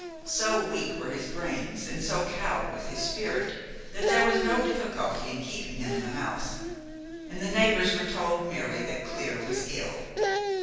So weak were his brains, and so cowed was his spirit, that there was no difficulty in keeping him in the house, and the neighbours were told merely that Clear was ill.